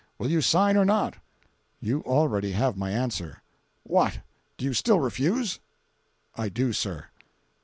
Will you sign or not?" "You already have my answer." "What! do you still refuse?" "I do, sir."